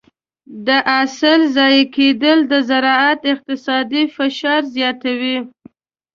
د حاصل ضایع کېدل د زراعت اقتصادي فشار زیاتوي.